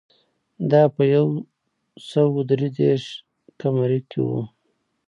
دا په یو سوه درې دېرش ق م کې و